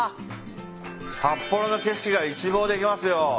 札幌の景色が一望できますよ。